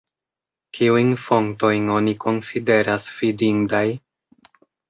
Kiujn fontojn oni konsideras fidindaj?